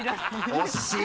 惜しい！